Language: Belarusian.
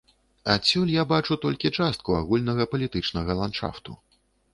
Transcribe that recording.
Адсюль я бачу толькі частку агульнага палітычнага ландшафту.